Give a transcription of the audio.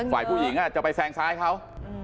ฝ่ายผู้หญิงจะไปแซงซ้ายเขา